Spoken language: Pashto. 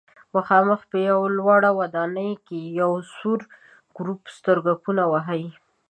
مخامخ په یوه لوړه ودانۍ کې یو سور ګروپ سترګکونه وهي.